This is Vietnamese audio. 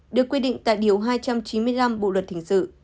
được quy định tại điều hai trăm chín mươi năm bộ luật hình sự